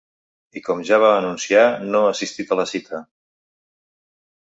I com ja va anunciar, no ha assistit a la cita.